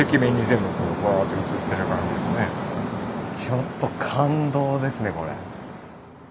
ちょっと感動ですねこれ。